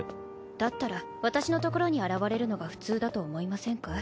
だったら私のところに現れるのが普通だと思いませんか？